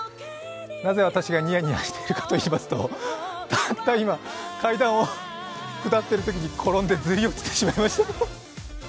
なぜ私がニヤニヤしているかといいますと、たった今、階段を下っているときに転んでずり落ちてしまいました。